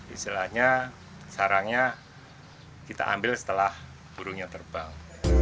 istilahnya sarangnya kita ambil setelah burungnya terbang